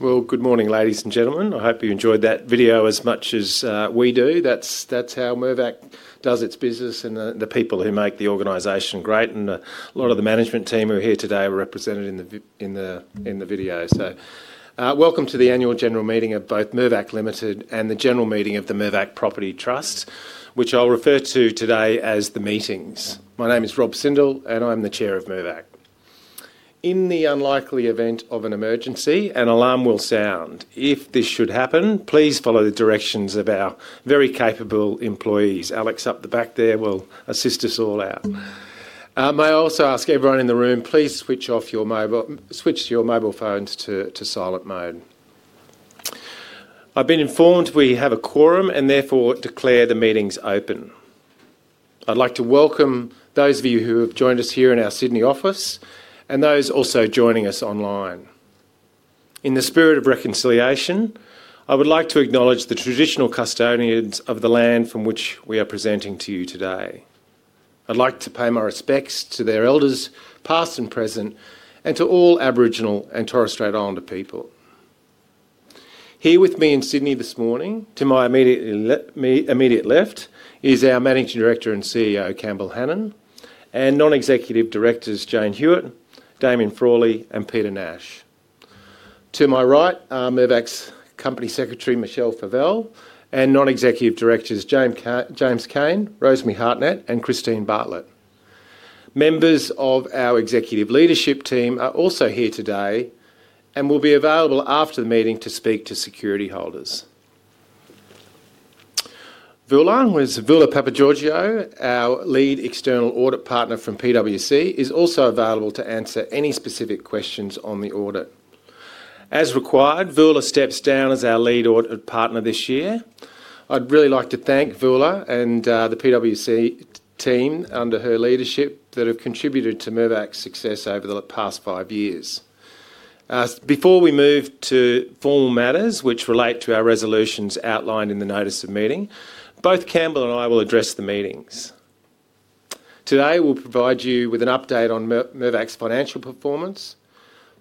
Good morning, ladies and gentlemen. I hope you enjoyed that video as much as we do. That is how Mirvac does its business, and the people who make the organization great, and a lot of the management team who are here today are represented in the video. Welcome to the annual general meeting of both Mirvac Limited and the general meeting of the Mirvac Property Trust, which I will refer to today as the meetings. My name is Rob Sindel, and I am the Chair of Mirvac. In the unlikely event of an emergency, an alarm will sound. If this should happen, please follow the directions of our very capable employees. Alex up the back there will assist us all out. May I also ask everyone in the room, please switch your mobile phones to silent mode. I have been informed we have a quorum and therefore declare the meetings open. I'd like to welcome those of you who have joined us here in our Sydney office and those also joining us online. In the spirit of reconciliation, I would like to acknowledge the traditional custodians of the land from which we are presenting to you today. I'd like to pay my respects to their elders, past and present, and to all Aboriginal and Torres Strait Islander people. Here with me in Sydney this morning, to my immediate left is our Managing Director and CEO, Campbell Hanan, and non-executive directors, Jane Hewitt, Damien Frawley, and Peter Nash. To my right are Mirvac's Company Secretary, Michelle Favelle, and non-executive directors, James Cain, Rosemary Hartnett, and Christine Bartlett. Members of our executive leadership team are also here today and will be available after the meeting to speak to security holders. Voula Papageorgiou, our lead external audit partner from PwC, is also available to answer any specific questions on the audit. As required, Voula steps down as our lead audit partner this year. I'd really like to thank Voula and the PwC team under her leadership that have contributed to Mirvac's success over the past five years. Before we move to formal matters which relate to our resolutions outlined in the notice of meeting, both Campbell and I will address the meetings. Today, we'll provide you with an update on Mirvac's financial performance,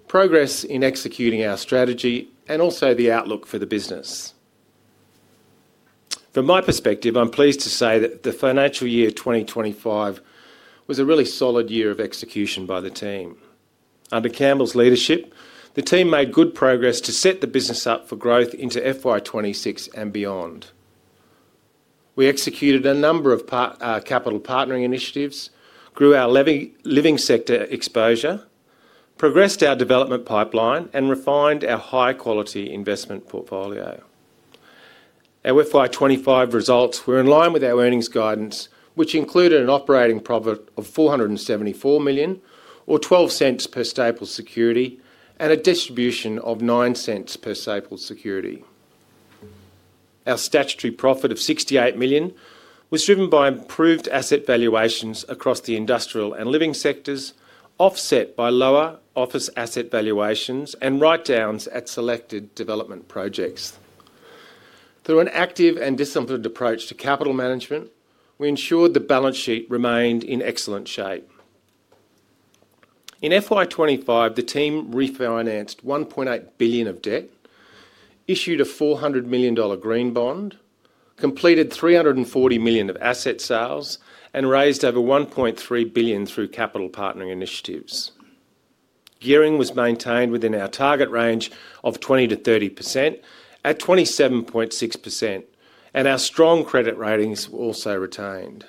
progress in executing our strategy, and also the outlook for the business. From my perspective, I'm pleased to say that the financial year 2025 was a really solid year of execution by the team. Under Campbell's leadership, the team made good progress to set the business up for growth into FY 2026 and beyond. We executed a number of capital partnering initiatives, grew our living sector exposure, progressed our development pipeline, and refined our high-quality investment portfolio. Our FY 2025 results were in line with our earnings guidance, which included an operating profit of 474 million, or 0.12/staple security, and a distribution of 0.09/staple security. Our statutory profit of 68 million was driven by improved asset valuations across the industrial and living sectors, offset by lower office asset valuations and write-downs at selected development projects. Through an active and disciplined approach to capital management, we ensured the balance sheet remained in excellent shape. In FY 2025, the team refinanced 1.8 billion of debt, issued an 400 million dollar green bond, completed 340 million of asset sales, and raised over 1.3 billion through capital partnering initiatives. Gearing was maintained within our target range of 20%-30% at 27.6%, and our strong credit ratings were also retained.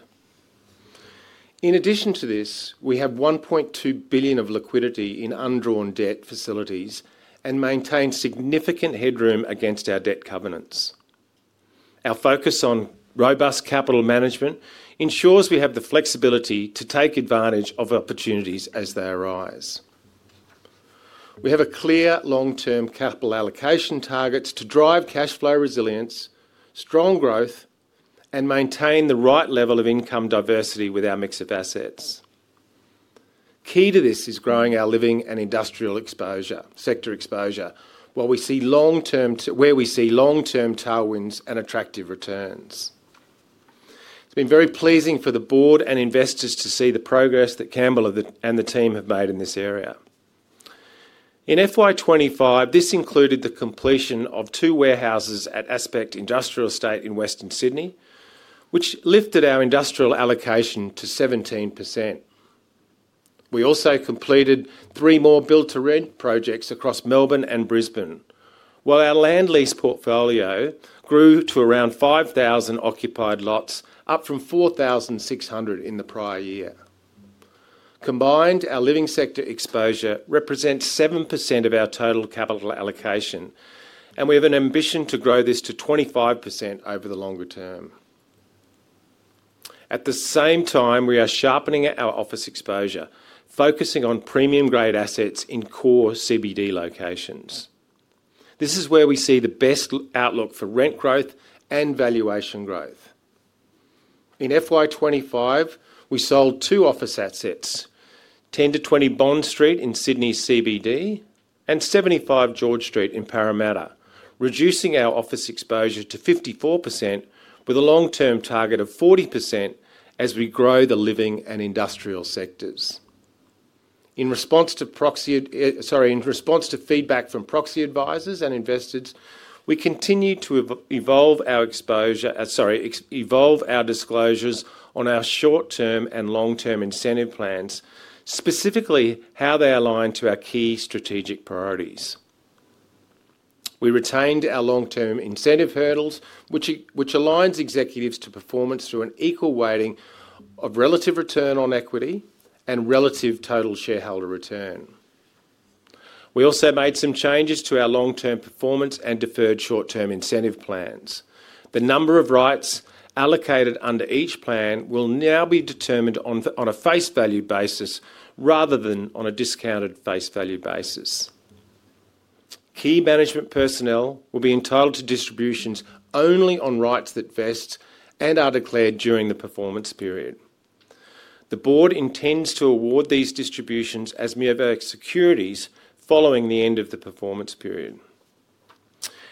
In addition to this, we have 1.2 billion of liquidity in undrawn debt facilities and maintain significant headroom against our debt covenants. Our focus on robust capital management ensures we have the flexibility to take advantage of opportunities as they arise. We have a clear long-term capital allocation target to drive cash flow resilience, strong growth, and maintain the right level of income diversity with our mix of assets. Key to this is growing our living and industrial sector exposure where we see long-term tailwinds and attractive returns. It's been very pleasing for the board and investors to see the progress that Campbell and the team have made in this area. In FY 2025, this included the completion of two warehouses at Aspect Industrial Estate in Western Sydney, which lifted our industrial allocation to 17%. We also completed three more build-to-rent projects across Melbourne and Brisbane, while our land lease portfolio grew to around 5,000 occupied lots, up from 4,600 in the prior year. Combined, our living sector exposure represents 7% of our total capital allocation, and we have an ambition to grow this to 25% over the longer term. At the same time, we are sharpening our office exposure, focusing on premium-grade assets in core CBD locations. This is where we see the best outlook for rent growth and valuation growth. In FY 2025, we sold two office assets: 10-20 Bond Street in Sydney's CBD and 75 George Street in Parramatta, reducing our office exposure to 54% with a long-term target of 40% as we grow the living and industrial sectors. In response to feedback from proxy advisors and investors, we continue to evolve our disclosures on our short-term and long-term incentive plans, specifically how they align to our key strategic priorities. We retained our long-term incentive hurdles, which aligns executives to performance through an equal weighting of relative return on equity and relative total shareholder return. We also made some changes to our long-term performance and deferred short-term incentive plans. The number of rights allocated under each plan will now be determined on a face value basis rather than on a discounted face value basis. Key management personnel will be entitled to distributions only on rights that vest and are declared during the performance period. The board intends to award these distributions as Mirvac securities following the end of the performance period.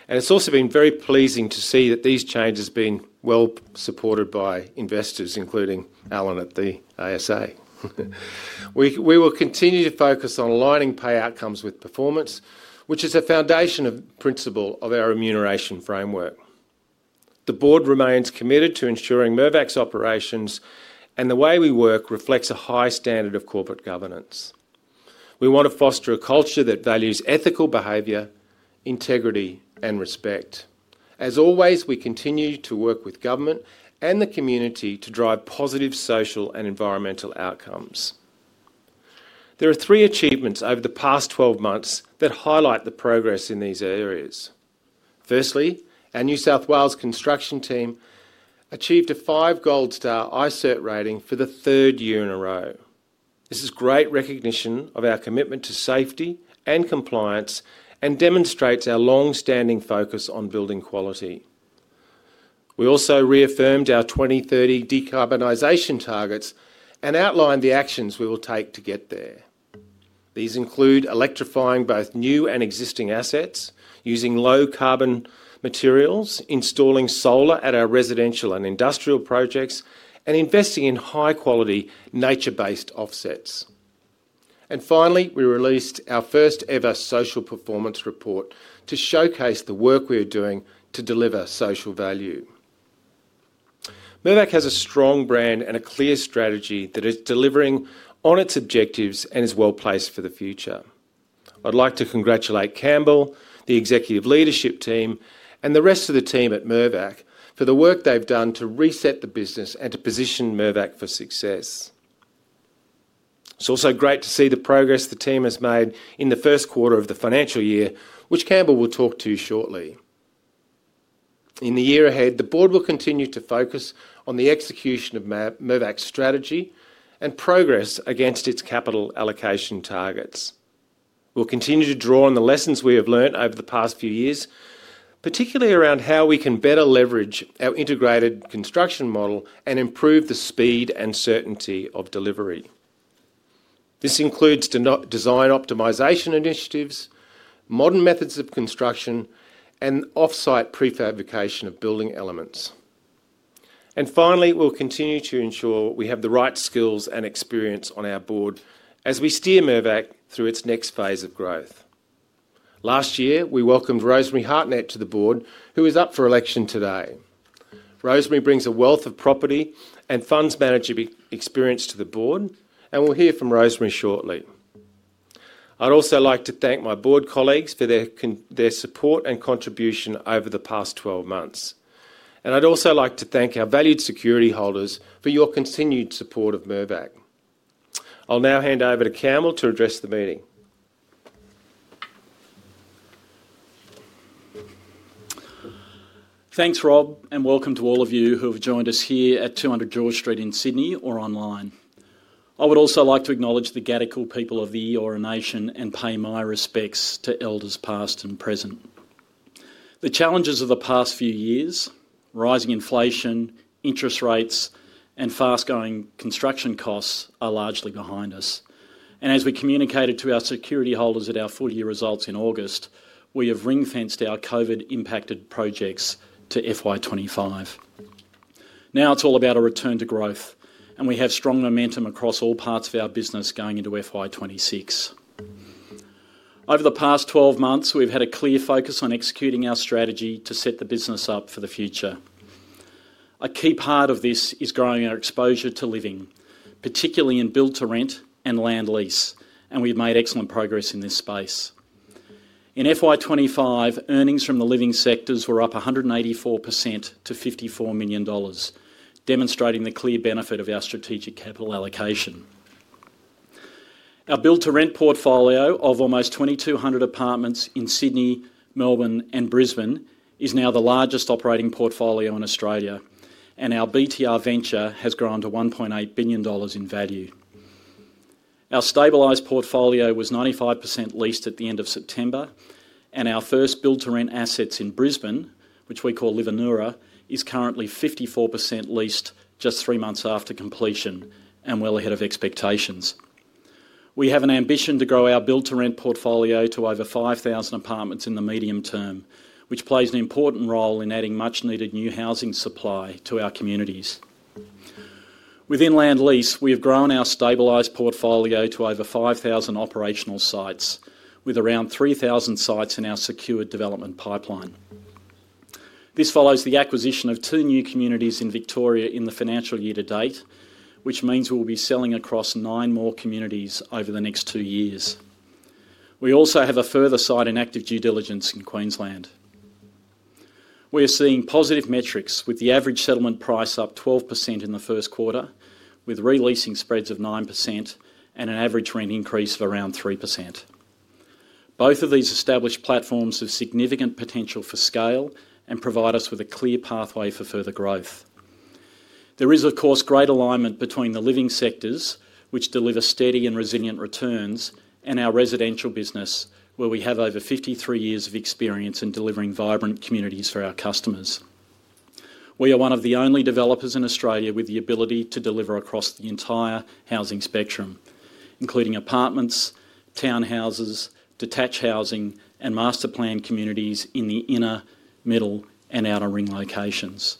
It's also been very pleasing to see that these changes have been well supported by investors, including Alan at the ASA. We will continue to focus on aligning pay outcomes with performance, which is a foundational principle of our remuneration framework. The board remains committed to ensuring Mirvac's operations and the way we work reflects a high standard of corporate governance. We want to foster a culture that values ethical behavior, integrity, and respect. As always, we continue to work with government and the community to drive positive social and environmental outcomes. There are three achievements over the past 12 months that highlight the progress in these areas. Firstly, our New South Wales construction team achieved a five gold star ICERT rating for the third year in a row. This is great recognition of our commitment to safety and compliance and demonstrates our long-standing focus on building quality. We also reaffirmed our 2030 decarbonization targets and outlined the actions we will take to get there. These include electrifying both new and existing assets, using low carbon materials, installing solar at our residential and industrial projects, and investing in high-quality nature-based offsets. Finally, we released our first-ever social performance report to showcase the work we are doing to deliver social value. Mirvac has a strong brand and a clear strategy that is delivering on its objectives and is well placed for the future. I'd like to congratulate Campbell, the executive leadership team, and the rest of the team at Mirvac for the work they've done to reset the business and to position Mirvac for success. It's also great to see the progress the team has made in the first quarter of the financial year, which Campbell will talk to you shortly. In the year ahead, the board will continue to focus on the execution of Mirvac's strategy and progress against its capital allocation targets. We'll continue to draw on the lessons we have learned over the past few years, particularly around how we can better leverage our integrated construction model and improve the speed and certainty of delivery. This includes design optimisation initiatives, modern methods of construction, and offsite prefabrication of building elements. Finally, we will continue to ensure we have the right skills and experience on our board as we steer Mirvac through its next phase of growth. Last year, we welcomed Rosemary Hartnett to the board, who is up for election today. Rosemary brings a wealth of property and funds management experience to the board, and we will hear from Rosemary shortly. I would also like to thank my board colleagues for their support and contribution over the past 12 months. I would also like to thank our valued security holders for your continued support of Mirvac. I will now hand over to Campbell to address the meeting. Thanks, Rob, and welcome to all of you who have joined us here at 200 George Street in Sydney or online. I would also like to acknowledge the Gadigal people of the Eora Nation and pay my respects to elders past and present. The challenges of the past few years, rising inflation, interest rates, and fast-going construction costs are largely behind us. As we communicated to our security holders at our full-year results in August, we have ring-fenced our COVID-impacted projects to FY 2025. Now it's all about a return to growth, and we have strong momentum across all parts of our business going into FY 2026. Over the past 12 months, we've had a clear focus on executing our strategy to set the business up for the future. A key part of this is growing our exposure to living, particularly in build-to-rent and land lease, and we've made excellent progress in this space. In FY 2025, earnings from the living sectors were up 184% to 54 million dollars, demonstrating the clear benefit of our strategic capital allocation. Our build-to-rent portfolio of almost 2,200 apartments in Sydney, Melbourne, and Brisbane is now the largest operating portfolio in Australia, and our BTR venture has grown to 1.8 billion dollars in value. Our stabilized portfolio was 95% leased at the end of September, and our first build-to-rent assets in Brisbane, which we call LIV Anura, is currently 54% leased just three months after completion and well ahead of expectations. We have an ambition to grow our build-to-rent portfolio to over 5,000 apartments in the medium term, which plays an important role in adding much-needed new housing supply to our communities. Within land lease, we have grown our stabilised portfolio to over 5,000 operational sites, with around 3,000 sites in our secured development pipeline. This follows the acquisition of two new communities in Victoria in the financial year to date, which means we will be selling across nine more communities over the next two years. We also have a further site in active due diligence in Queensland. We are seeing positive metrics, with the average settlement price up 12% in the first quarter, with re-leasing spreads of 9% and an average rent increase of around 3%. Both of these established platforms have significant potential for scale and provide us with a clear pathway for further growth. There is, of course, great alignment between the living sectors, which deliver steady and resilient returns, and our residential business, where we have over 53 years of experience in delivering vibrant communities for our customers. We are one of the only developers in Australia with the ability to deliver across the entire housing spectrum, including apartments, townhouses, detached housing, and master planned communities in the inner, middle, and outer ring locations.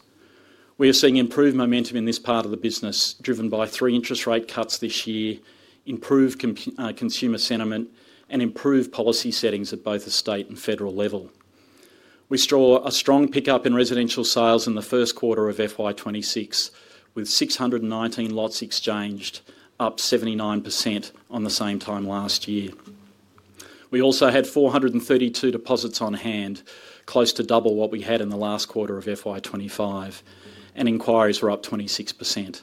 We are seeing improved momentum in this part of the business, driven by three interest rate cuts this year, improved consumer sentiment, and improved policy settings at both the state and federal level. We saw a strong pickup in residential sales in the first quarter of FY 2026, with 619 lots exchanged, up 79% on the same time last year. We also had 432 deposits on hand, close to double what we had in the last quarter of FY 2025, and inquiries were up 26%.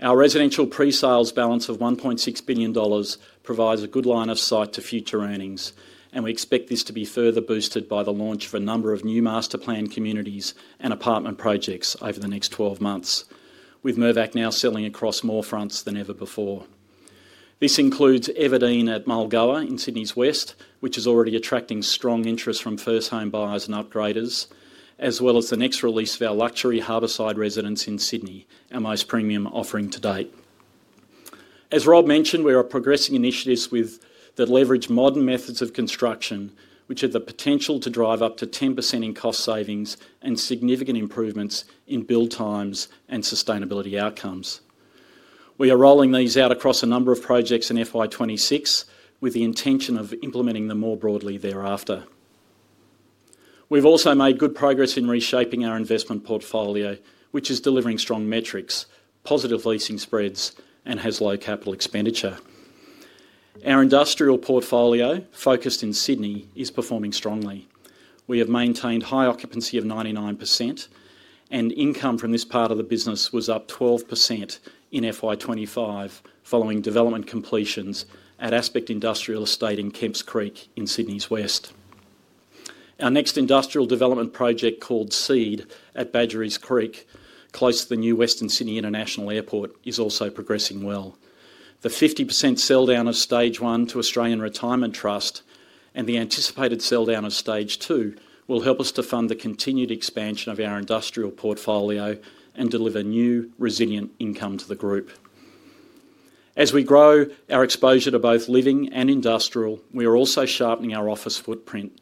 Our residential pre-sales balance of 1.6 billion dollars provides a good line of sight to future earnings, and we expect this to be further boosted by the launch of a number of new master planned communities and apartment projects over the next 12 months, with Mirvac now selling across more fronts than ever before. This includes Everdene at Mulgoa in Sydney's west, which is already attracting strong interest from first home buyers and upgraders, as well as the next release of our luxury Harbourside Residence in Sydney, our most premium offering to date. As Rob mentioned, we are progressing initiatives that leverage modern methods of construction, which have the potential to drive up to 10% in cost savings and significant improvements in build times and sustainability outcomes. We are rolling these out across a number of projects in FY 2026, with the intention of implementing them more broadly thereafter. We've also made good progress in reshaping our investment portfolio, which is delivering strong metrics, positive leasing spreads, and has low capital expenditure. Our Industrial portfolio, focused in Sydney, is performing strongly. We have maintained high occupancy of 99%, and income from this part of the business was up 12% in FY 2025, following development completions at Aspect Industrial Estate in Kemps Creek in Sydney's west. Our next industrial development project, called SEED at Badgery's Creek, close to the new Western Sydney International Airport, is also progressing well. The 50% sell-down of Stage One to Australian Retirement Trust and the anticipated sell-down of Stage Two will help us to fund the continued expansion of our industrial portfolio and deliver new, resilient income to the group. As we grow our exposure to both living and industrial, we are also sharpening our office footprint,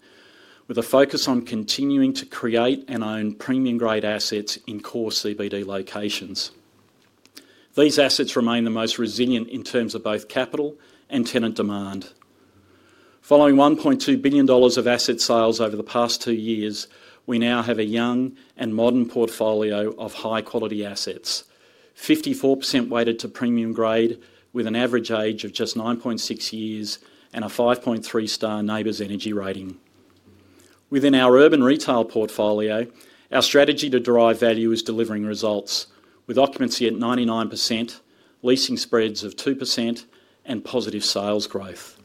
with a focus on continuing to create and own premium-grade assets in core CBD locations. These assets remain the most resilient in terms of both capital and tenant demand. Following 1.2 billion dollars of asset sales over the past two years, we now have a young and modern portfolio of high-quality assets, 54% weighted to premium grade, with an average age of just 9.6 years and a 5.3 star neighbours energy rating. Within our urban retail portfolio, our strategy to derive value is delivering results, with occupancy at 99%, leasing spreads of 2%, and positive sales growth.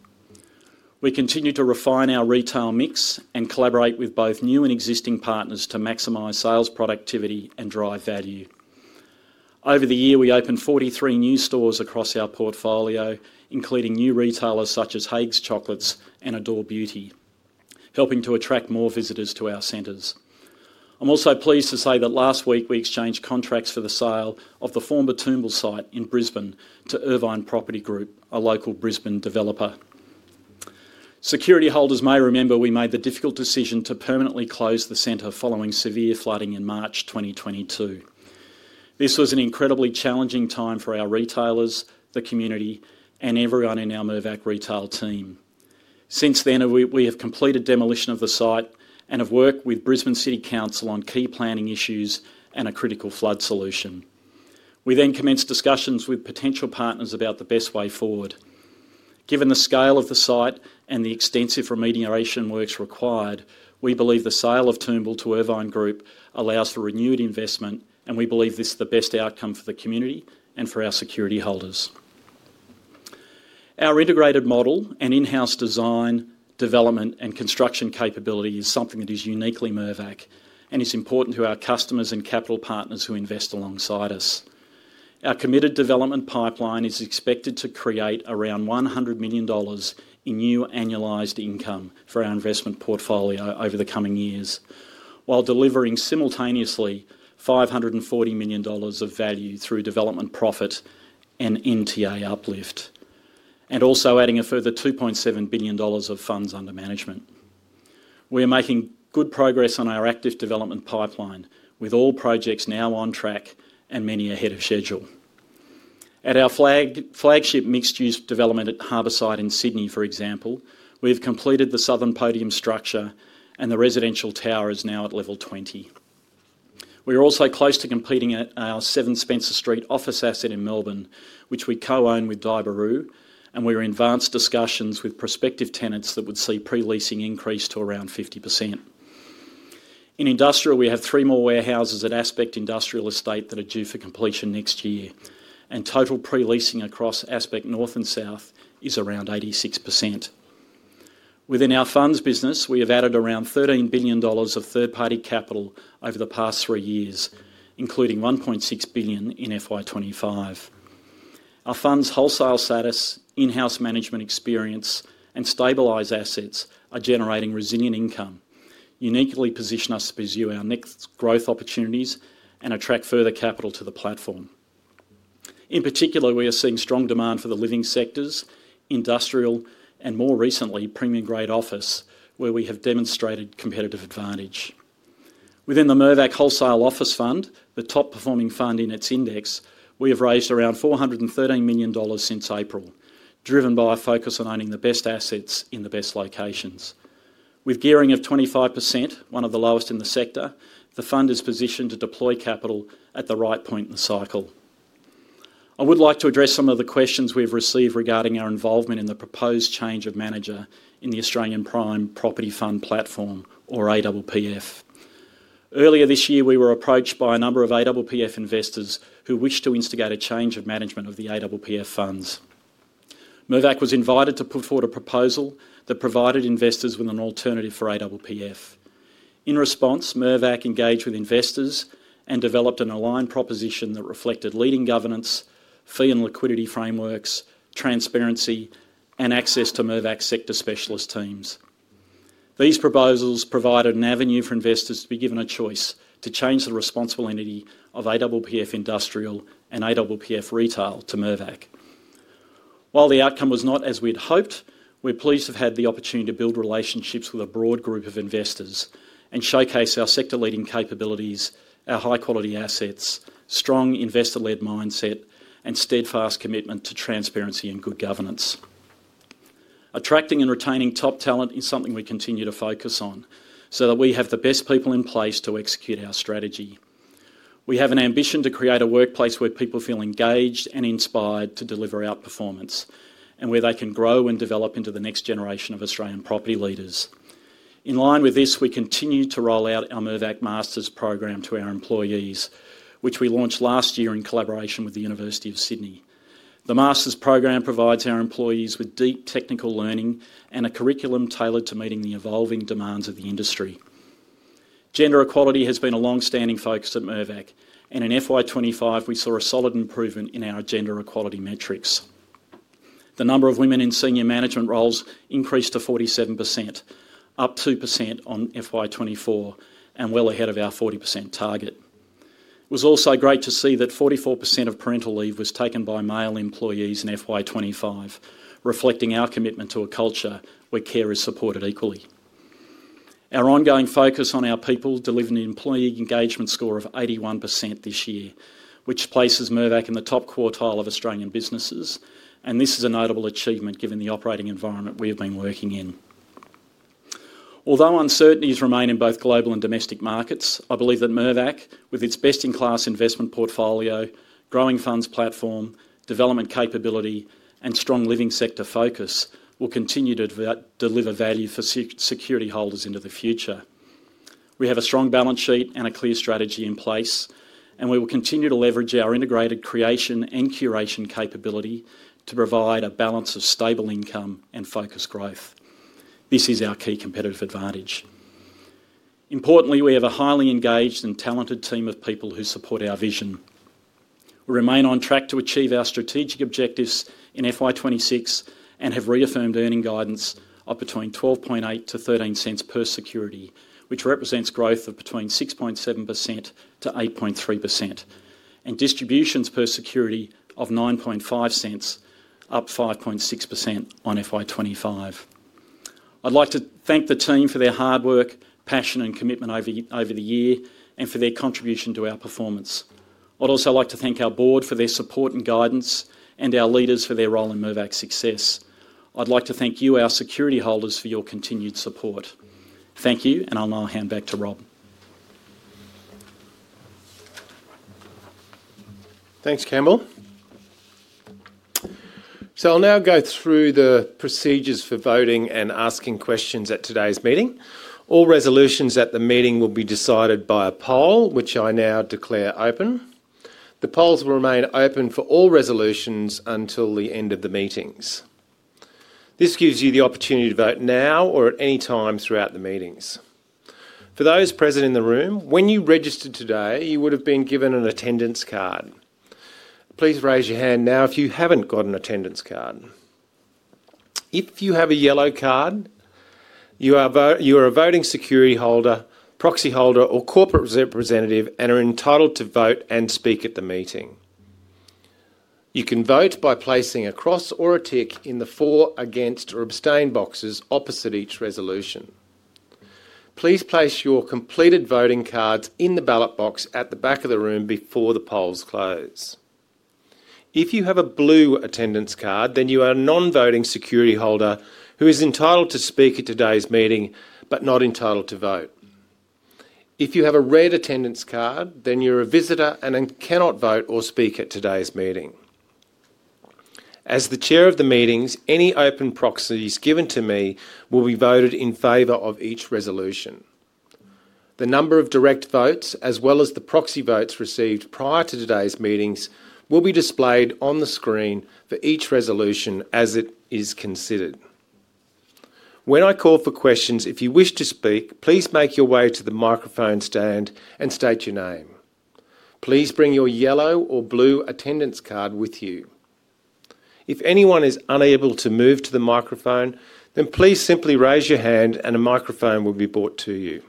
We continue to refine our retail mix and collaborate with both new and existing partners to maximize sales productivity and drive value. Over the year, we opened 43 new stores across our portfolio, including new retailers such as Haigh's Chocolates and Adore Beauty, helping to attract more visitors to our centers. I'm also pleased to say that last week we exchanged contracts for the sale of the former Toombul site in Brisbane to Irvine Property Group, a local Brisbane developer. Security holders may remember we made the difficult decision to permanently close the center following severe flooding in March 2022. This was an incredibly challenging time for our retailers, the community, and everyone in our Mirvac retail team. Since then, we have completed demolition of the site and have worked with Brisbane City Council on key planning issues and a critical flood solution. We then commenced discussions with potential partners about the best way forward. Given the scale of the site and the extensive remediation works required, we believe the sale of Toombul to Irvine Property Group allows for renewed investment, and we believe this is the best outcome for the community and for our security holders. Our integrated model and in-house design, development, and construction capability is something that is uniquely Mirvac, and it's important to our customers and capital partners who invest alongside us. Our committed development pipeline is expected to create around 100 million dollars in new annualized income for our investment portfolio over the coming years, while delivering simultaneously 540 million dollars of value through development profit and NTA uplift, and also adding a further 2.7 billion dollars of funds under management. We are making good progress on our active development pipeline, with all projects now on track and many ahead of schedule. At our flagship mixed-use development at Harbourside in Sydney, for example, we have completed the southern podium structure, and the residential tower is now at level 20. We are also close to completing our 7 Spencer Street office asset in Melbourne, which we co-own with Daibiru, and we are in advanced discussions with prospective tenants that would see pre-leasing increased to around 50%. In industrial, we have three more warehouses at Aspect Industrial Estate that are due for completion next year, and total pre-leasing across Aspect north and south is around 86%. Within our funds business, we have added around 13 billion dollars of third-party capital over the past three years, including 1.6 billion in FY 2025. Our funds wholesale status, in-house management experience, and stabilized assets are generating resilient income, uniquely positioning us to pursue our next growth opportunities and attract further capital to the platform. In particular, we are seeing strong demand for the living sectors, industrial, and more recently, premium-grade office, where we have demonstrated competitive advantage. Within the Mirvac Wholesale Office Fund, the top-performing fund in its index, we have raised around 413 million dollars since April, driven by a focus on owning the best assets in the best locations. With gearing of 25%, one of the lowest in the sector, the fund is positioned to deploy capital at the right point in the cycle. I would like to address some of the questions we have received regarding our involvement in the proposed change of manager in the Australian Prime Property Fund platform, or APPF. Earlier this year, we were approached by a number of APPF investors who wished to instigate a change of management of the APPF funds. Mirvac was invited to put forward a proposal that provided investors with an alternative for APPF. In response, Mirvac engaged with investors and developed an aligned proposition that reflected leading governance, fee and liquidity frameworks, transparency, and access to Mirvac's sector specialist teams. These proposals provided an avenue for investors to be given a choice to change the responsible entity of APPF industrial and APPF retail to Mirvac. While the outcome was not as we had hoped, we're pleased to have had the opportunity to build relationships with a broad group of investors and showcase our sector-leading capabilities, our high-quality assets, strong investor-led mindset, and steadfast commitment to transparency and good governance. Attracting and retaining top talent is something we continue to focus on so that we have the best people in place to execute our strategy. We have an ambition to create a workplace where people feel engaged and inspired to deliver outperformance, and where they can grow and develop into the next generation of Australian property leaders. In line with this, we continue to roll out our Mirvac Master's program to our employees, which we launched last year in collaboration with the University of Sydney. The Master's program provides our employees with deep technical learning and a curriculum tailored to meeting the evolving demands of the industry. Gender equality has been a long-standing focus at Mirvac, and in FY 2025, we saw a solid improvement in our gender equality metrics. The number of women in senior management roles increased to 47%, up 2% on FY 2024, and well ahead of our 40% target. It was also great to see that 44% of parental leave was taken by male employees in FY 2025, reflecting our commitment to a culture where care is supported equally. Our ongoing focus on our people delivered an employee engagement score of 81% this year, which places Mirvac in the top quartile of Australian businesses, and this is a notable achievement given the operating environment we have been working in. Although uncertainties remain in both global and domestic markets, I believe that Mirvac, with its best-in-class investment portfolio, growing funds platform, development capability, and strong living sector focus, will continue to deliver value for security holders into the future. We have a strong balance sheet and a clear strategy in place, and we will continue to leverage our integrated creation and curation capability to provide a balance of stable income and focused growth. This is our key competitive advantage. Importantly, we have a highly engaged and talented team of people who support our vision. We remain on track to achieve our strategic objectives in FY 2026 and have reaffirmed earning guidance of between 0.128-0.13 per security, which represents growth of between 6.7%-8.3%, and distributions per security of 0.095, up 5.6% on FY 2025. I'd like to thank the team for their hard work, passion, and commitment over the year, and for their contribution to our performance. I'd also like to thank our board for their support and guidance, and our leaders for their role in Mirvac's success. I'd like to thank you, our security holders, for your continued support. Thank you, and I'll now hand back to Rob. Thanks, Campbell. I will now go through the procedures for voting and asking questions at today's meeting. All resolutions at the meeting will be decided by a poll, which I now declare open. The polls will remain open for all resolutions until the end of the meetings. This gives you the opportunity to vote now or at any time throughout the meetings. For those present in the room, when you registered today, you would have been given an attendance card. Please raise your hand now if you have not got an attendance card. If you have a yellow card, you are a voting security holder, proxy holder, or corporate representative, and are entitled to vote and speak at the meeting. You can vote by placing a cross or a tick in the for, against, or abstain boxes opposite each resolution. Please place your completed voting cards in the ballot box at the back of the room before the polls close. If you have a blue attendance card, then you are a non-voting security holder who is entitled to speak at today's meeting but not entitled to vote. If you have a red attendance card, then you are a visitor and cannot vote or speak at today's meeting. As the Chair of the meetings, any open proxies given to me will be voted in favor of each resolution. The number of direct votes, as well as the proxy votes received prior to today's meetings, will be displayed on the screen for each resolution as it is considered. When I call for questions, if you wish to speak, please make your way to the microphone stand and state your name. Please bring your yellow or blue attendance card with you. If anyone is unable to move to the microphone, then please simply raise your hand and a microphone will be brought to you.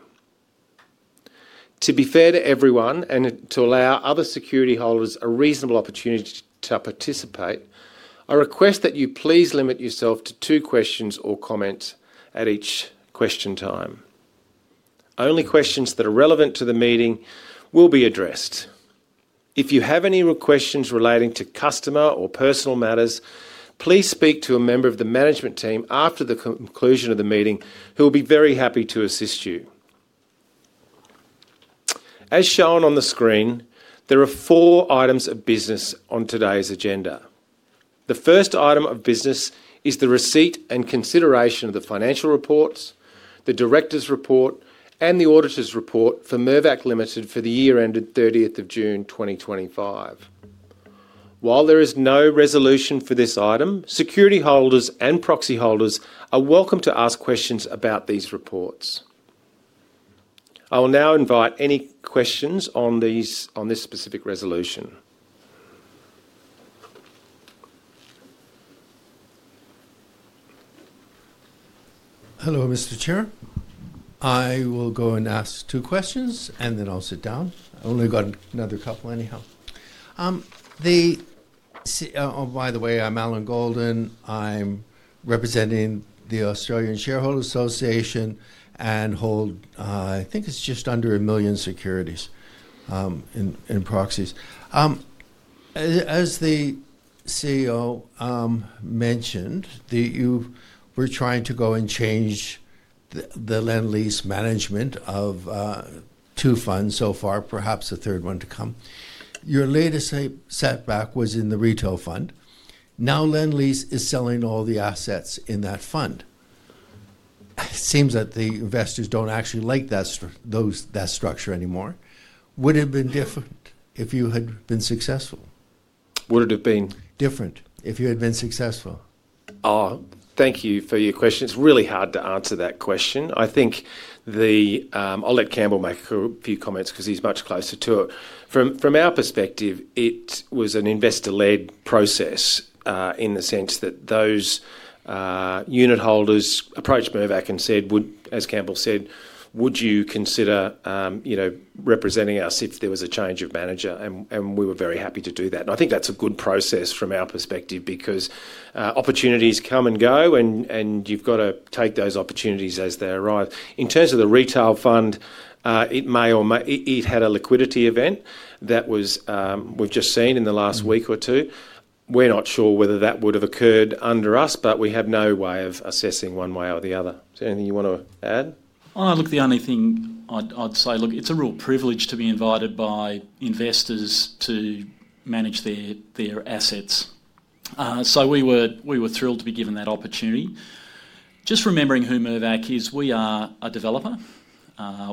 To be fair to everyone and to allow other security holders a reasonable opportunity to participate, I request that you please limit yourself to two questions or comments at each question time. Only questions that are relevant to the meeting will be addressed. If you have any questions relating to customer or personal matters, please speak to a member of the management team after the conclusion of the meeting. He'll be very happy to assist you. As shown on the screen, there are four items of business on today's agenda. The first item of business is the receipt and consideration of the financial reports, the director's report, and the auditor's report for Mirvac Limited for the year ended 30th of June 2025. While there is no resolution for this item, security holders and proxy holders are welcome to ask questions about these reports. I will now invite any questions on this specific resolution. Hello, Mr. Chair. I will go and ask two questions, and then I'll sit down. I've only got another couple anyhow. By the way, I'm Alan Golden. I'm representing the Australian Shareholders Association and hold, I think it's just under a million securities and proxies. As the CEO mentioned, you were trying to go and change the Lendlease management of two funds so far, perhaps a third one to come. Your latest setback was in the retail fund. Now Lendlease is selling all the assets in that fund. It seems that the investors don't actually like that structure anymore. Would it have been different if you had been successful? Would it have been different if you had been successful. Thank you for your question. It's really hard to answer that question. I think I'll let Campbell make a few comments because he's much closer to it. From our perspective, it was an investor-led process in the sense that those unit holders approached Mirvac and said, as Campbell said, "Would you consider representing us if there was a change of manager?" We were very happy to do that. I think that's a good process from our perspective because opportunities come and go, and you've got to take those opportunities as they arise. In terms of the retail fund, it had a liquidity event that we've just seen in the last week or two. We're not sure whether that would have occurred under us, but we have no way of assessing one way or the other. Is there anything you want to add? Look, the only thing I'd say, it's a real privilege to be invited by investors to manage their assets. We were thrilled to be given that opportunity. Just remembering who Mirvac is, we are a developer.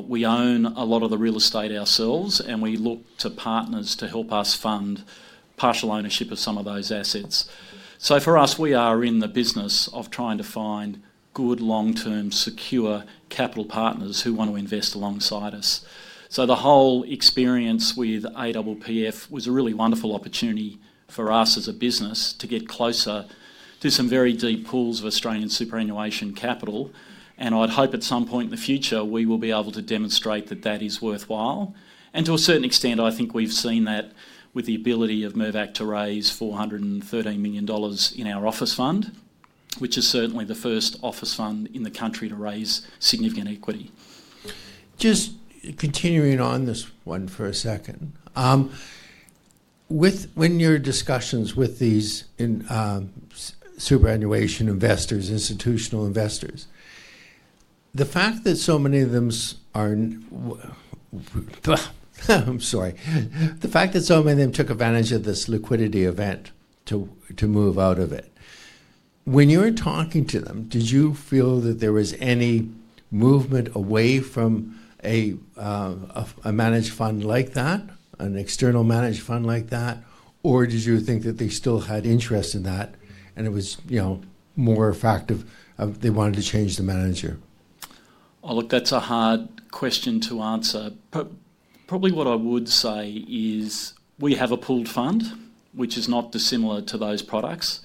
We own a lot of the real estate ourselves, and we look to partners to help us fund partial ownership of some of those assets. For us, we are in the business of trying to find good, long-term, secure capital partners who want to invest alongside us. The whole experience with APPF was a really wonderful opportunity for us as a business to get closer to some very deep pools of Australian superannuation capital. I'd hope at some point in the future we will be able to demonstrate that that is worthwhile. To a certain extent, I think we've seen that with the ability of Mirvac to raise 413 million dollars in our office fund, which is certainly the first office fund in the country to raise significant equity. Just continuing on this one for a second, with your discussions with these superannuation investors, institutional investors, the fact that so many of them are—I'm sorry. The fact that so many of them took advantage of this liquidity event to move out of it, when you were talking to them, did you feel that there was any movement away from a managed fund like that, an external managed fund like that, or did you think that they still had interest in that and it was more effective they wanted to change the manager? Look, that's a hard question to answer. Probably what I would say is we have a pooled fund, which is not dissimilar to those products,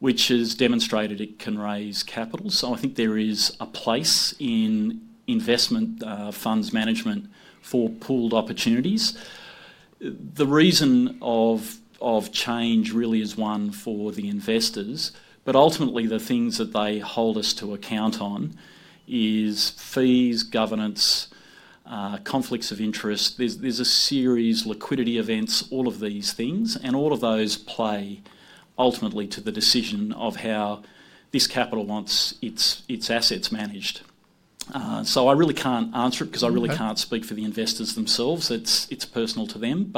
which has demonstrated it can raise capital. So I think there is a place in investment funds management for pooled opportunities. The reason of change really is one for the investors, but ultimately the things that they hold us to account on are fees, governance, conflicts of interest. There is a series of liquidity events, all of these things, and all of those play ultimately to the decision of how this capital wants its assets managed. I really can't answer it because I really can't speak for the investors themselves. It's personal to them.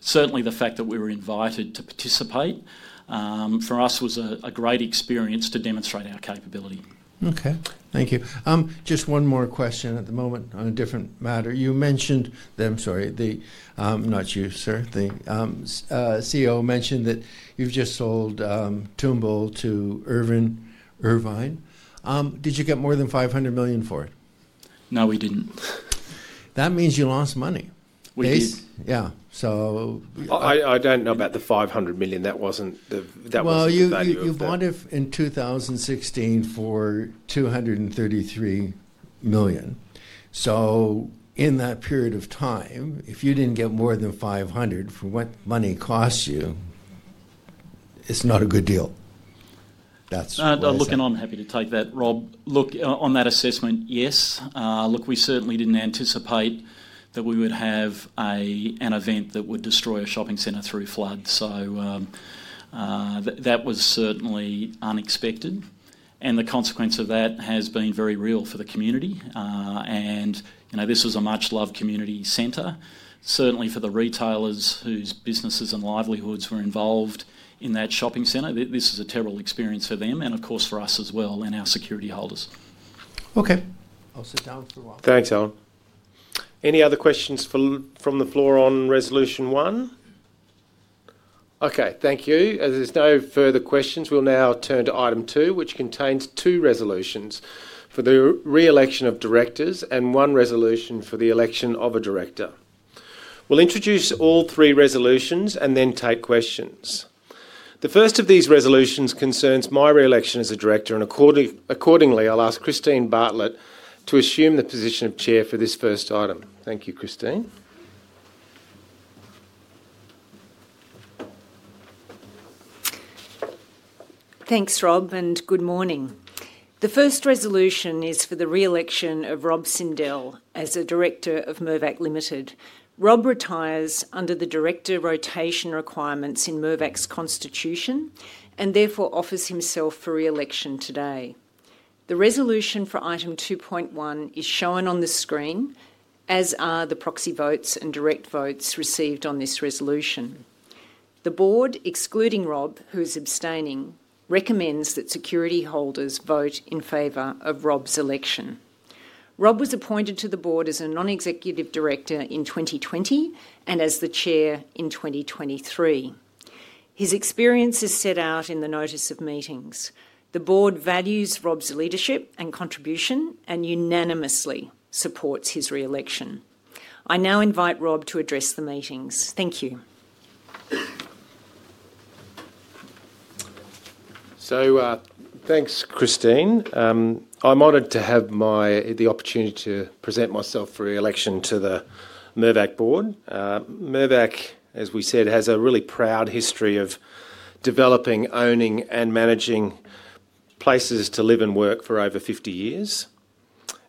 Certainly the fact that we were invited to participate for us was a great experience to demonstrate our capability. Okay. Thank you. Just one more question at the moment on a different matter. You mentioned—I'm sorry, not you, sir. The CEO mentioned that you've just sold Toombul to Irvine Property Group. Did you get more than 500 million for it? No, we didn't. That means you lost money. We did. Yeah. I don't know about the 500 million. That wasn't the value of that. You bought it in 2016 for 233 million. In that period of time, if you didn't get more than 500 million for what money cost you, it's not a good deal. That's I'm looking. I'm happy to take that, Rob. On that assessment, yes. We certainly didn't anticipate that we would have an event that would destroy a shopping center through flood. That was certainly unexpected. The consequence of that has been very real for the community. This was a much-loved community center. For the retailers whose businesses and livelihoods were involved in that shopping center, this was a terrible experience for them and, of course, for us as well and our security holders. Okay. I'll sit down for a while. Thanks, Alan. Any other questions from the floor on resolution one? Okay. Thank you. As there's no further questions, we'll now turn to item two, which contains two resolutions for the re-election of directors and one resolution for the election of a director. We'll introduce all three resolutions and then take questions. The first of these resolutions concerns my re-election as a director, and accordingly, I'll ask Christine Bartlett to assume the position of Chair for this first item. Thank you, Christine. Thanks, Rob, and good morning. The first resolution is for the re-election of Rob Sindel as a director of Mirvac Limited. Rob retires under the director rotation requirements in Mirvac's constitution and therefore offers himself for re-election today. The resolution for item 2.1 is shown on the screen, as are the proxy votes and direct votes received on this resolution. The board, excluding Rob, who is abstaining, recommends that security holders vote in favor of Rob's election. Rob was appointed to the board as a non-executive director in 2020 and as the chair in 2023. His experience is set out in the notice of meetings. The board values Rob's leadership and contribution and unanimously supports his re-election. I now invite Rob to address the meetings. Thank you. Thanks, Christine. I'm honored to have the opportunity to present myself for re-election to the Mirvac board. Mirvac, as we said, has a really proud history of developing, owning, and managing places to live and work for over 50 years.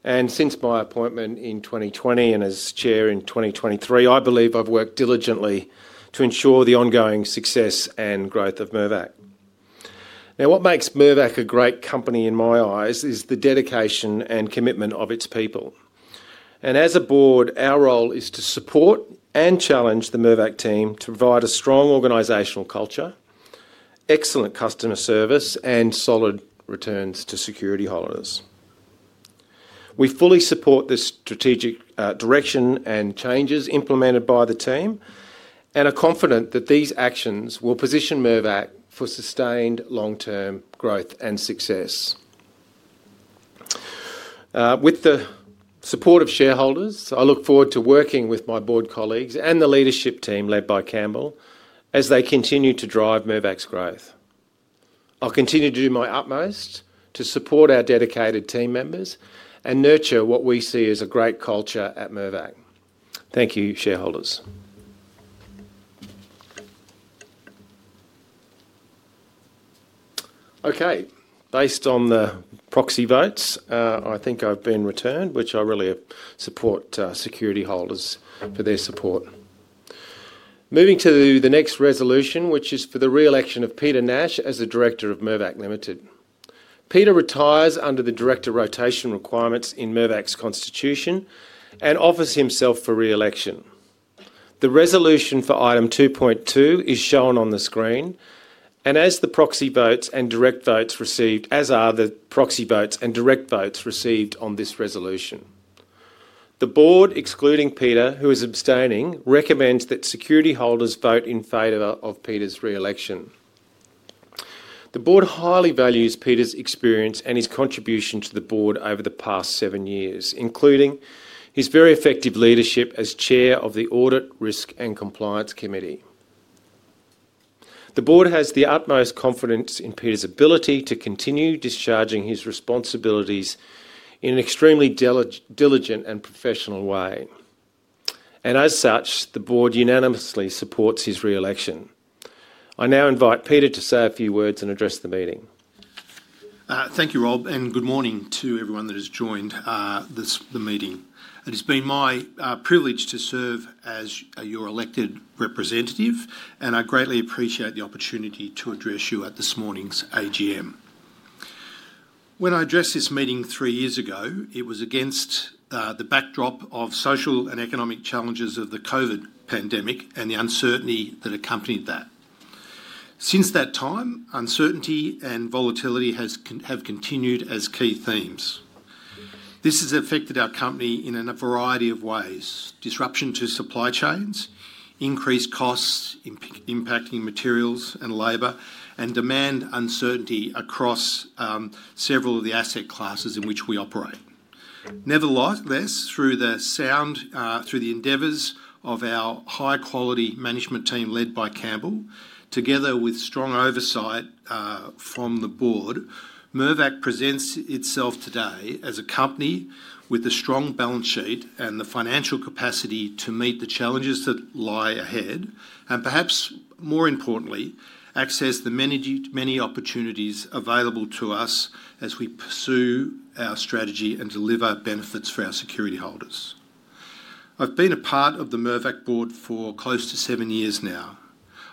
Since my appointment in 2020 and as chair in 2023, I believe I've worked diligently to ensure the ongoing success and growth of Mirvac. Now, what makes Mirvac a great company in my eyes is the dedication and commitment of its people. As a board, our role is to support and challenge the Mirvac team to provide a strong organizational culture, excellent customer service, and solid returns to security holders. We fully support the strategic direction and changes implemented by the team and are confident that these actions will position Mirvac for sustained long-term growth and success. With the support of shareholders, I look forward to working with my board colleagues and the leadership team led by Campbell as they continue to drive Mirvac's growth. I'll continue to do my utmost to support our dedicated team members and nurture what we see as a great culture at Mirvac. Thank you, shareholders. Okay. Based on the proxy votes, I think I've been returned, which I really support security holders for their support. Moving to the next resolution, which is for the re-election of Peter Nash as a director of Mirvac Limited. Peter retires under the director rotation requirements in Mirvac's constitution and offers himself for re-election. The resolution for item 2.2 is shown on the screen, as are the proxy votes and direct votes received on this resolution. The board, excluding Peter, who is abstaining, recommends that security holders vote in favor of Peter's re-election. The board highly values Peter's experience and his contribution to the board over the past seven years, including his very effective leadership as chair of the Audit Risk and Compliance Committee. The board has the utmost confidence in Peter's ability to continue discharging his responsibilities in an extremely diligent and professional way. As such, the board unanimously supports his re-election. I now invite Peter to say a few words and address the meeting. Thank you, Rob, and good morning to everyone that has joined the meeting. It has been my privilege to serve as your elected representative, and I greatly appreciate the opportunity to address you at this morning's AGM. When I addressed this meeting three years ago, it was against the backdrop of social and economic challenges of the COVID pandemic and the uncertainty that accompanied that. Since that time, uncertainty and volatility have continued as key themes. This has affected our company in a variety of ways: disruption to supply chains, increased costs impacting materials and labor, and demand uncertainty across several of the asset classes in which we operate. Nevertheless, through the endeavors of our high-quality management team led by Campbell, together with strong oversight from the board, Mirvac presents itself today as a company with a strong balance sheet and the financial capacity to meet the challenges that lie ahead and, perhaps more importantly, access the many opportunities available to us as we pursue our strategy and deliver benefits for our security holders. I've been a part of the Mirvac board for close to seven years now.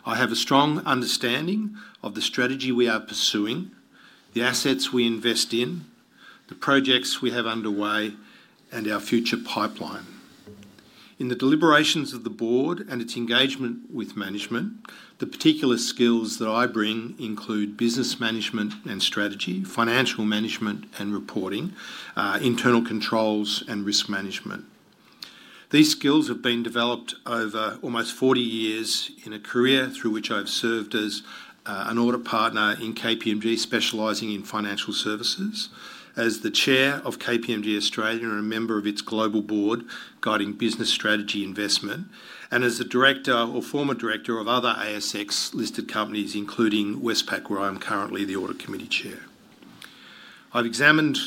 I have a strong understanding of the strategy we are pursuing, the assets we invest in, the projects we have underway, and our future pipeline. In the deliberations of the board and its engagement with management, the particular skills that I bring include business management and strategy, financial management and reporting, internal controls, and risk management. These skills have been developed over almost 40 years in a career through which I've served as an audit partner in KPMG, specializing in financial services, as the Chair of KPMG Australia and a member of its global board guiding business strategy investment, and as the director or former director of other ASX-listed companies, including Westpac, where I'm currently the audit committee chair. I've examined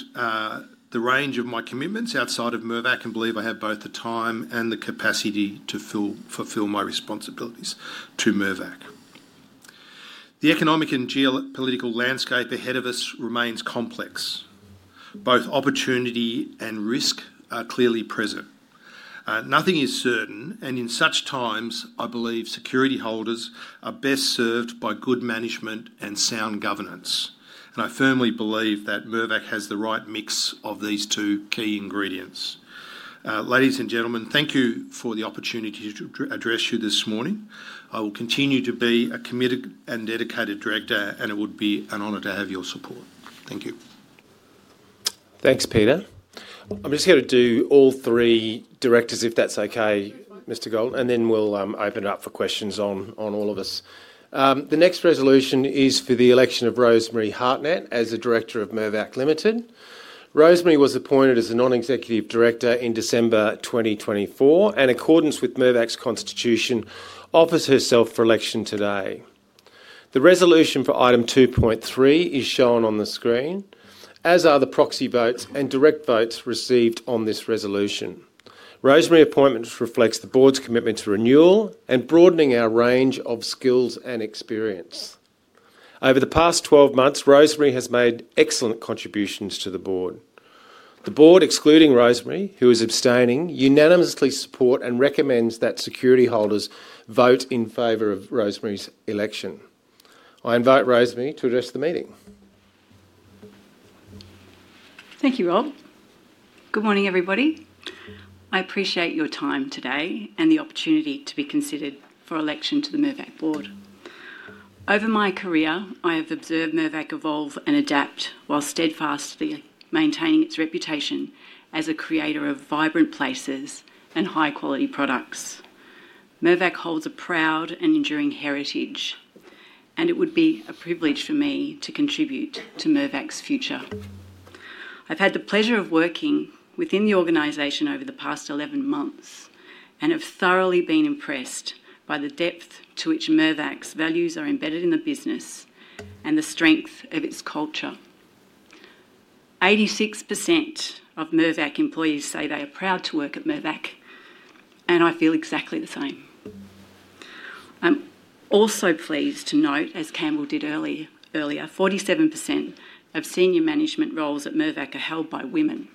the range of my commitments outside of Mirvac and believe I have both the time and the capacity to fulfill my responsibilities to Mirvac. The economic and geopolitical landscape ahead of us remains complex. Both opportunity and risk are clearly present. Nothing is certain, and in such times, I believe security holders are best served by good management and sound governance. I firmly believe that Mirvac has the right mix of these two key ingredients. Ladies and gentlemen, thank you for the opportunity to address you this morning. I will continue to be a committed and dedicated director, and it would be an honor to have your support. Thank you. Thanks, Peter. I'm just going to do all three directors, if that's okay, Mr. Golden, and then we'll open it up for questions on all of us. The next resolution is for the election of Rosemary Hartnett as a director of Mirvac Limited. Rosemary was appointed as a non-executive director in December 2024, and in accordance with Mirvac's constitution, offers herself for election today. The resolution for item 2.3 is shown on the screen, as are the proxy votes and direct votes received on this resolution. Rosemary's appointment reflects the board's commitment to renewal and broadening our range of skills and experience. Over the past 12 months, Rosemary has made excellent contributions to the board. The board, excluding Rosemary, who is abstaining, unanimously supports and recommends that security holders vote in favor of Rosemary's election. I invite Rosemary to address the meeting. Thank you, Rob. Good morning, everybody. I appreciate your time today and the opportunity to be considered for election to the Mirvac board. Over my career, I have observed Mirvac evolve and adapt while steadfastly maintaining its reputation as a creator of vibrant places and high-quality products. Mirvac holds a proud and enduring heritage, and it would be a privilege for me to contribute to Mirvac's future. I've had the pleasure of working within the organization over the past 11 months and have thoroughly been impressed by the depth to which Mirvac's values are embedded in the business and the strength of its culture. 86% of Mirvac employees say they are proud to work at Mirvac, and I feel exactly the same. I'm also pleased to note, as Campbell did earlier, 47% of senior management roles at Mirvac are held by women,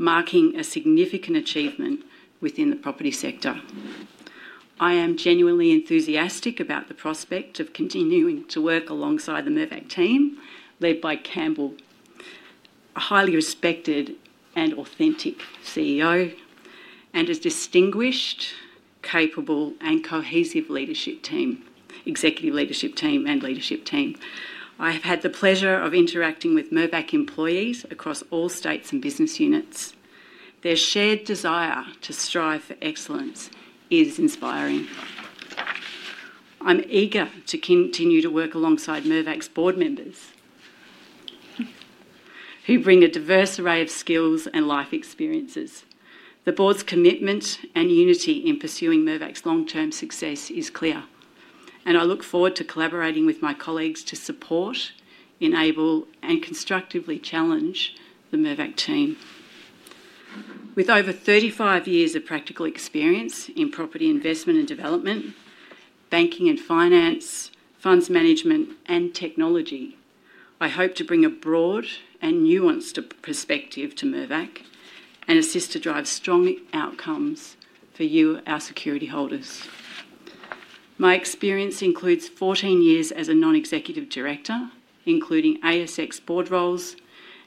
marking a significant achievement within the property sector. I am genuinely enthusiastic about the prospect of continuing to work alongside the Mirvac team led by Campbell, a highly respected and authentic CEO, and his distinguished, capable, and cohesive executive leadership team and leadership team. I have had the pleasure of interacting with Mirvac employees across all states and business units. Their shared desire to strive for excellence is inspiring. I'm eager to continue to work alongside Mirvac's board members, who bring a diverse array of skills and life experiences. The board's commitment and unity in pursuing Mirvac's long-term success is clear, and I look forward to collaborating with my colleagues to support, enable, and constructively challenge the Mirvac team. With over 35 years of practical experience in property investment and development, banking and finance, funds management, and technology, I hope to bring a broad and nuanced perspective to Mirvac and assist to drive strong outcomes for you, our security holders. My experience includes 14 years as a non-executive director, including ASX board roles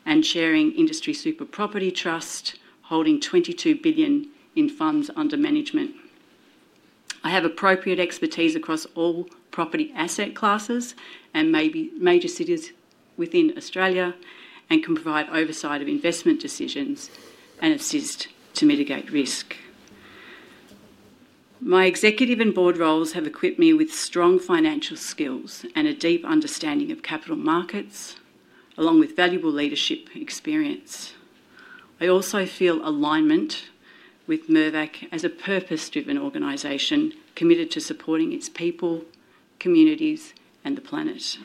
and chairing Industry Super Property Trust, holding 22 billion in funds under management. I have appropriate expertise across all property asset classes and major cities within Australia and can provide oversight of investment decisions and assist to mitigate risk. My executive and board roles have equipped me with strong financial skills and a deep understanding of capital markets, along with valuable leadership experience. I also feel alignment with Mirvac as a purpose-driven organization committed to supporting its people, communities, and the planet.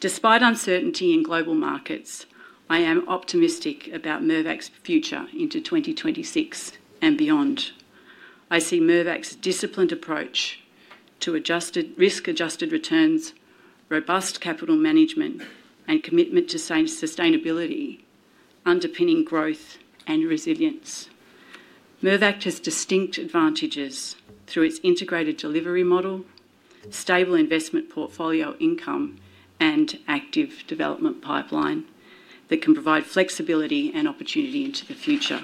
Despite uncertainty in global markets, I am optimistic about Mirvac's future into 2026 and beyond. I see Mirvac's disciplined approach to risk-adjusted returns, robust capital management, and commitment to sustainability underpinning growth and resilience. Mirvac has distinct advantages through its integrated delivery model, stable investment portfolio income, and active development pipeline that can provide flexibility and opportunity into the future.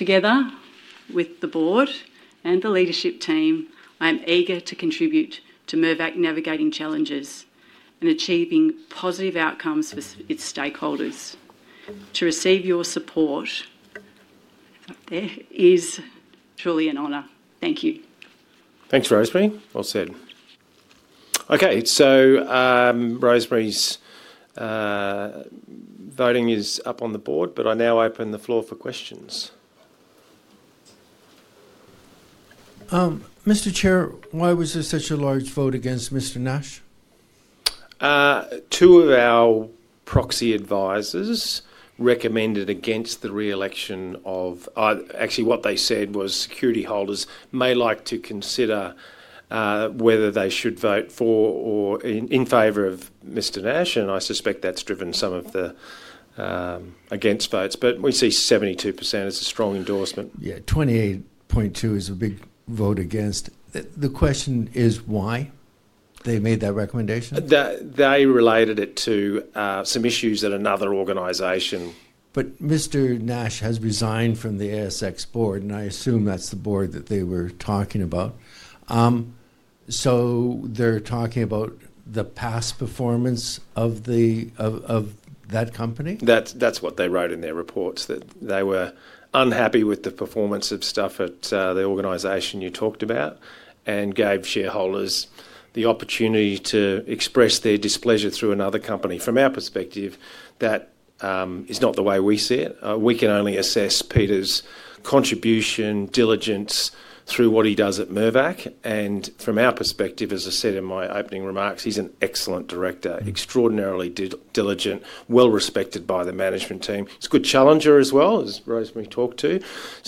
Together with the board and the leadership team, I am eager to contribute to Mirvac navigating challenges and achieving positive outcomes for its stakeholders. To receive your support is truly an honor. Thank you. Thanks, Rosemary. Well said. Okay, so Rosemary's voting is up on the board, but I now open the floor for questions. Mr. Chair, why was there such a large vote against Mr. Nash? Two of our proxy advisors recommended against the re-election of actually, what they said was security holders may like to consider whether they should vote for or in favor of Mr. Nash, and I suspect that's driven some of the against votes, but we see 72% as a strong endorsement. Yeah, 28.2% is a big vote against. The question is why they made that recommendation? They related it to some issues at another organization. Mr. Nash has resigned from the ASX board, and I assume that's the board that they were talking about. They are talking about the past performance of that company? That's what they wrote in their reports, that they were unhappy with the performance of stuff at the organization you talked about and gave shareholders the opportunity to express their displeasure through another company. From our perspective, that is not the way we see it. We can only assess Peter's contribution, diligence through what he does at Mirvac, and from our perspective, as I said in my opening remarks, he's an excellent director, extraordinarily diligent, well-respected by the management team. He's a good challenger as well, as Rosemary talked to.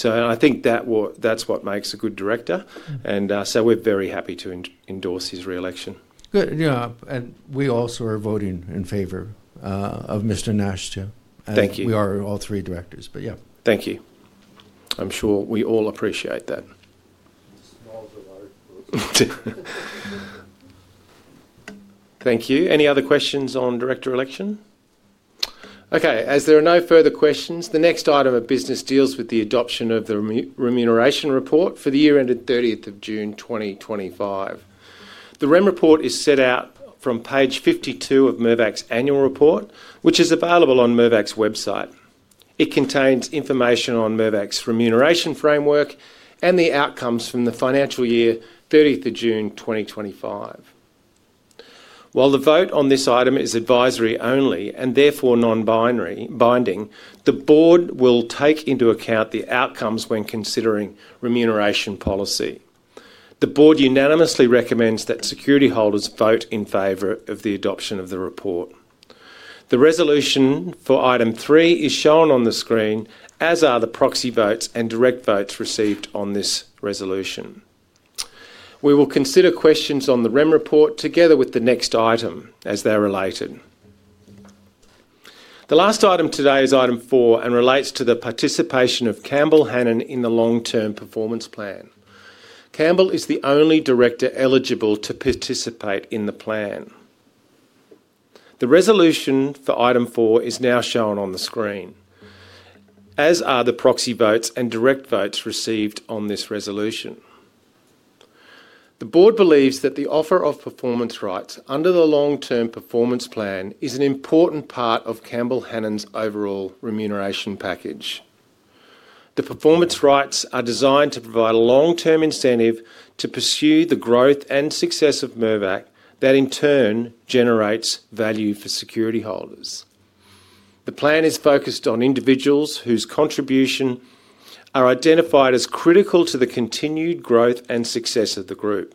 I think that's what makes a good director, and we are very happy to endorse his re-election. Good. Yeah, and we also are voting in favor of Mr. Nash, too. Thank you. We are on all three directors, but yeah. Thank you. I'm sure we all appreciate that. Thank you. Any other questions on director election? Okay, as there are no further questions, the next item of business deals with the adoption of the remuneration report for the year ended 30th of June 2025. The remuneration report is set out from page 52 of Mirvac's annual report, which is available on Mirvac's website. It contains information on Mirvac's remuneration framework and the outcomes from the financial year, 30th of June 2025. While the vote on this item is advisory only and therefore non-binding, the board will take into account the outcomes when considering remuneration policy. The board unanimously recommends that security holders vote in favor of the adoption of the report. The resolution for item three is shown on the screen, as are the proxy votes and direct votes received on this resolution. We will consider questions on the REM report together with the next item as they're related. The last item today is item four and relates to the participation of Campbell Hanan in the long-term performance plan. Campbell is the only director eligible to participate in the plan. The resolution for item four is now shown on the screen, as are the proxy votes and direct votes received on this resolution. The board believes that the offer of performance rights under the long-term performance plan is an important part of Campbell Hanan's overall remuneration package. The performance rights are designed to provide a long-term incentive to pursue the growth and success of Mirvac that, in turn, generates value for security holders. The plan is focused on individuals whose contributions are identified as critical to the continued growth and success of the group.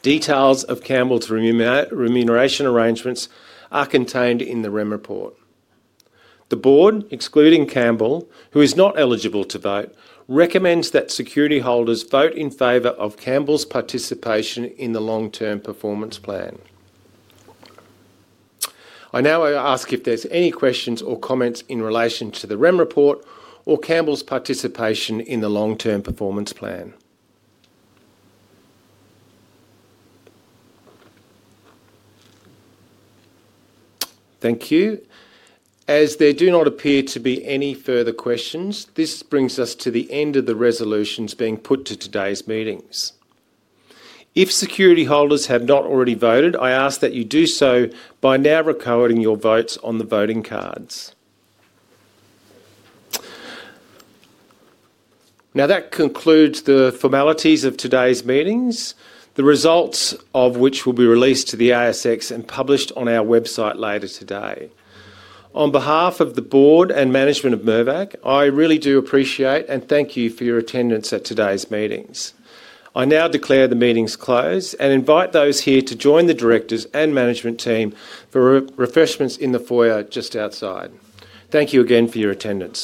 Details of Campbell's remuneration arrangements are contained in the REM report. The board, excluding Campbell, who is not eligible to vote, recommends that security holders vote in favor of Campbell's participation in the long-term performance plan. I now ask if there's any questions or comments in relation to the REM report or Campbell's participation in the long-term performance plan. Thank you. As there do not appear to be any further questions, this brings us to the end of the resolutions being put to today's meetings. If security holders have not already voted, I ask that you do so by now recording your votes on the voting cards. Now, that concludes the formalities of today's meetings, the results of which will be released to the ASX and published on our website later today. On behalf of the board and management of Mirvac, I really do appreciate and thank you for your attendance at today's meetings. I now declare the meetings closed and invite those here to join the directors and management team for refreshments in the foyer just outside. Thank you again for your attendance.